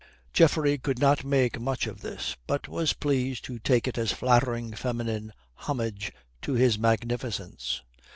Geoffrey could not make much of this, but was pleased to take it as flattering feminine homage to his magnificence.